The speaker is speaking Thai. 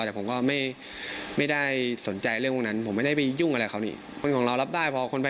แล้วผมก็ไม่ได้สนใจเรื่องพวกนั้นผมไม่ได้ไปยุ่งกันอะไรกับเขา